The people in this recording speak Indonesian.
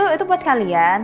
itu buat kalian